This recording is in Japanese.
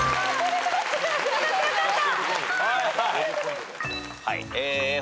よかったよかった！